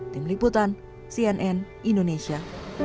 tim liputan cnn indonesia